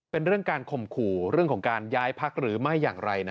เป็นเรื่องการข่มขู่เรื่องของการย้ายพักหรือไม่อย่างไร